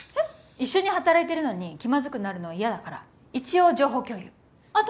一緒に働いてるのに気まずくなるのは嫌だから一応情報共有あと